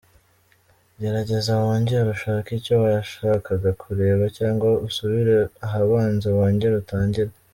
Gerageza wongere ushake icyo washakaga kureba, cyangwa usubire ahabanza wongere utangire.